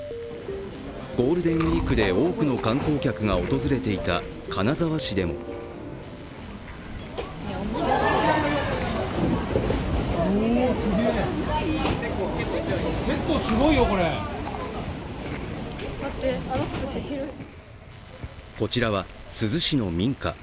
ゴールデンウイークで多くの観光客が訪れていた金沢市でもこちらは珠洲市の民家。